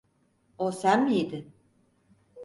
O sen miydin?